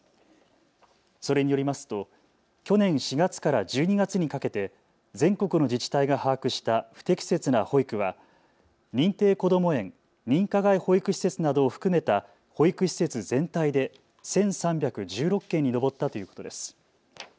それによりますと去年４月から１２月にかけて全国の自治体が把握した不適切な保育は認定こども園、認可外保育施設などを含めた保育施設全体で１３１６件に上ったということです。